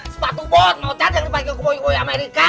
sepatu bot mang ocet yang dipake sama koboi koboi amerika